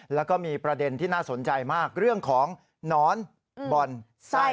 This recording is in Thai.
แล้วก็มีประเด็นที่น่าสนใจมากเรื่องของหนอนบ่อนไส้